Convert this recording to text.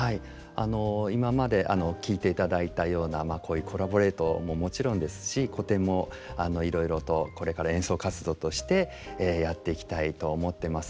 今まで聴いていただいたようなこういうコラボレートももちろんですし古典もいろいろとこれから演奏活動としてやっていきたいと思ってます。